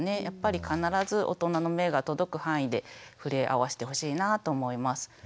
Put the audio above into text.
やっぱり必ず大人の目が届く範囲で触れ合わせてほしいなぁと思います。